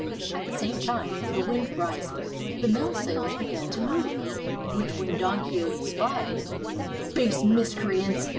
At the same time the wind rising, the mill sails began to move, which when Don Quixote spied, "Base miscreants!"